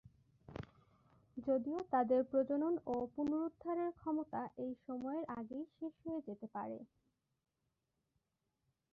যদিও তাদের প্রজনন ও পুনরুদ্ধারের ক্ষমতা এই সময়ের আগেই শেষ হয়ে যেতে পারে।